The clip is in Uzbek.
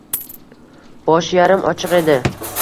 Boshi yarim ochiq edi.